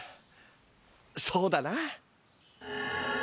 そうだな。